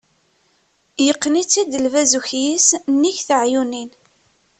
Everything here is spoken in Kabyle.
Yeqqen-itt-id lbaz ukyis, nnig teɛyunin.